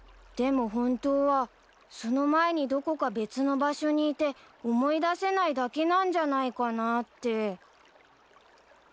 でも本当はその前にどこか別の場所にいて思い出せないだけなんじゃないかなって。